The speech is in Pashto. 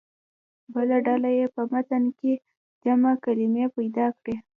بله ډله دې په متن کې جمع کلمې پیدا کړي.